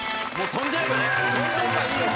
飛んじゃえばいいよ！